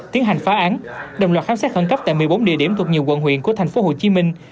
tiến hành phá án đồng loạt khám xét khẩn cấp tại một mươi bốn địa điểm thuộc nhiều quận huyện của thành phố hồ chí minh